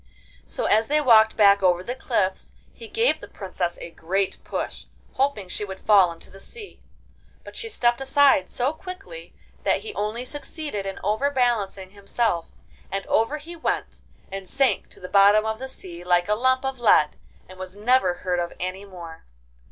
So as they walked back over the cliffs he gave the Princess a great push, hoping she would fall into the sea; but she stepped aside so quickly that he only succeeded in overbalancing himself, and over he went, and sank to the bottom of the sea like a lump of lead, and was never heard of any more.